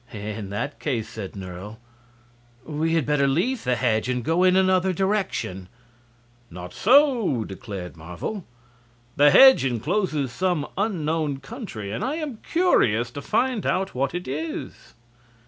"In that case," said Nerle, "we had better leave the hedge and go in another direction." "Not so," declared Marvel. "The hedge incloses some unknown country, and I am curious to find out what it is."